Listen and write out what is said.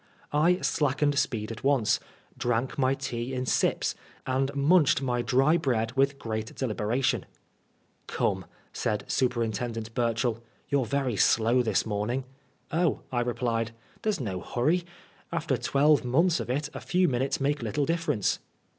I slackened speed at once, drank my tea in sips, and munched my dry bread with great deliberatioi;i. " Come," said superintendent Burchell, " you're very slow this morning." "Oh," I replied, "there's no hurry ; after twelve months of it a few minutes make little difference."